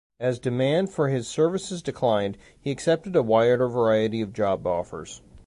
As demand for his services declined, he accepted a wider variety of job offers.